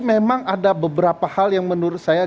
memang ada beberapa hal yang menurut saya